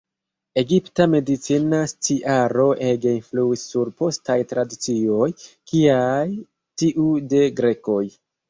Egipta medicina sciaro ege influis sur postaj tradicioj, kiaj tiu de grekoj.